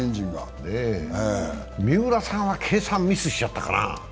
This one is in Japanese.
三浦さんは計算ミスしちゃったかな。